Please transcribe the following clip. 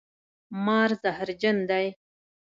مار زهرجن دی